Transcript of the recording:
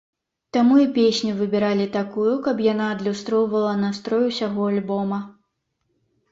Таму і песню выбіралі такую, каб яна адлюстроўвала настрой усяго альбома.